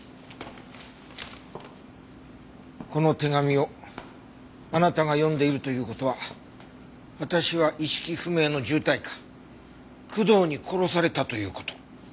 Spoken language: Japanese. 「この手紙をあなたが読んでいるという事は私は意識不明の重体か工藤に殺されたという事」